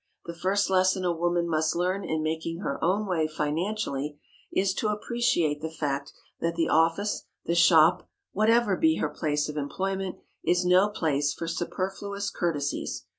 The first lesson a woman must learn in making her own way financially is to appreciate the fact that the office, the shop, whatever be her place of employment, is no place for superfluous courtesies.